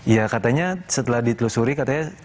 ya katanya setelah ditelusuri katanya